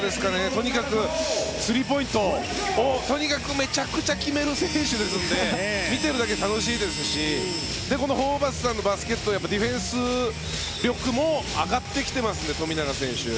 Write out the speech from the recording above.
とにかくスリーポイントをめちゃくちゃ決める選手なので見てるだけで楽しいですしこのホーバスさんのバスケットボールディフェンス力も上がってきているので富永選手は。